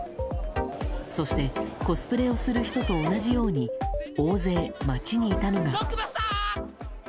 そしてコスプレをする人と同じように大勢、街にいたのが。